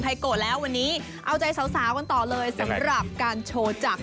โกะแล้ววันนี้เอาใจสาวกันต่อเลยสำหรับการโชว์จักร